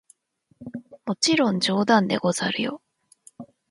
もちろん冗談でござるよ！